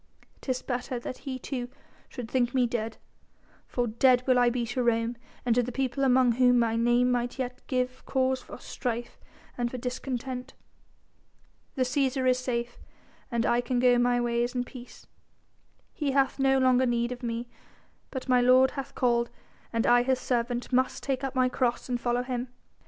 'Tis better that he too should think me dead, for dead will I be to Rome and to the people among whom my name might yet give cause for strife and for discontent. "The Cæsar is safe, and I can go my ways in peace. He hath no longer need of me but my Lord hath called and I His servant must take up my cross and follow Him.